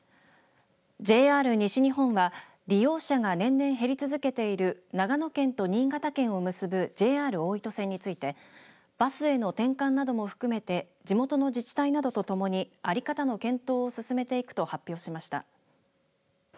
ＪＲ西日本は利用者が年々、減り続けている長野県と新潟県を結ぶＪＲ大糸線についてバスへの転換なども含めて地元の自治体などとともに在り方の検討を進めていくと発表しました。